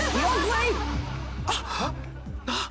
あっ！